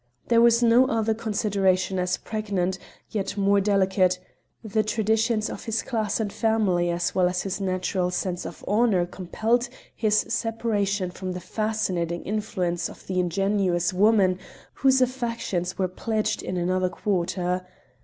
There was also another consideration as pregnant, yet more delicate: the traditions of his class and family as well as his natural sense of honour compelled his separation from the fascinating influence of the ingenuous woman whose affections were pledged in another quarter.